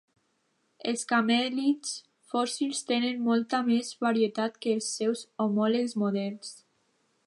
Els camèlids fòssils tenen molta més varietat que els seus homòlegs moderns.